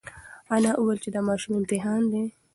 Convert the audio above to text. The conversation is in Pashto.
انا وویل چې دا ماشوم امتحان دی.